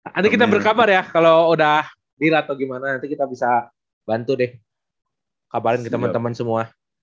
nanti kita berkabar ya kalau udah deal atau gimana nanti kita bisa bantu deh kabarin ke teman teman semua